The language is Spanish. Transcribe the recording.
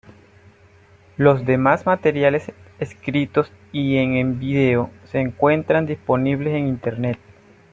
Los demás materiales escritos y en vídeo se encuentran disponibles en Internet.